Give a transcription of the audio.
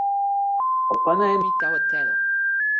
o pana e mi tawa telo.